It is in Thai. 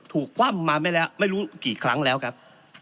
คว่ำมาไม่แล้วไม่รู้กี่ครั้งแล้วครับ